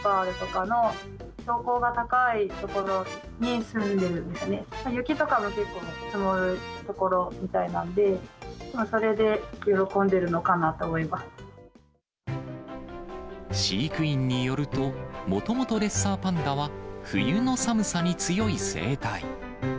雪とかが結構積もる所みたいなんで、それで喜んでるのかなと思い飼育員によると、もともとレッサーパンダは、冬の寒さに強い生態。